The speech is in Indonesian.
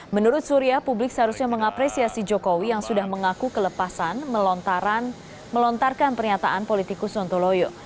menurut surya publik seharusnya mengapresiasi jokowi yang sudah mengaku kelepasan melontarkan pernyataan politikus sontoloyo